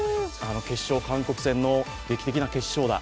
決勝、韓国戦の劇的な決勝打。